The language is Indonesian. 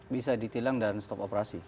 bisa ditilang dan stop operasi